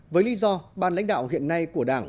với lý do ban lãnh đạo hiện nay của đảng